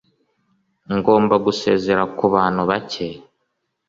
Ngomba gusezera kubantu bake.